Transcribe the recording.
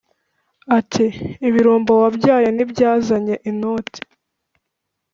Ati: “Ibirumbo wabyaye Ntibyazanye inoti?